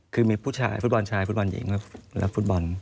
คือมีผู้ชายฟุตบอลชายฟุตบอลหญิงและฟุตบอล